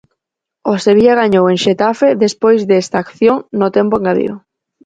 O Sevilla gañou en Xetafe despois desta acción no tempo engadido.